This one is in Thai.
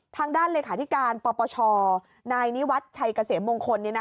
ทางด้านเลยคาทิการปปชนายนิวัฒน์ชัยเกษมงคลนี่นะคะ